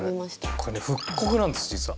これね復刻なんです実は。ね？